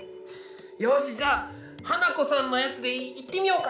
よしじゃあハナコさんのやつでいってみようか。